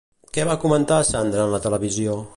Què va comentar Sandra en la televisió?